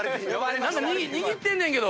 何か握ってんねんけど。